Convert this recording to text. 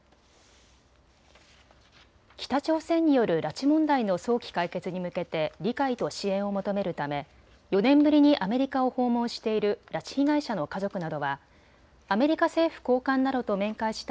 北朝鮮による拉致問題の早期解決に向けて理解と支援を求めるため４年ぶりにアメリカを訪問している拉致被害者の家族などはアメリカ政府高官などと面会した